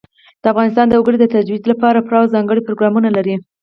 افغانستان د وګړي د ترویج لپاره پوره او ځانګړي پروګرامونه لري.